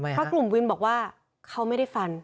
เพราะกลุ่มวินบอกว่าเขาไม่ได้ฟัน